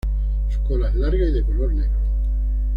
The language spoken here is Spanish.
Su cola es larga y de color negro.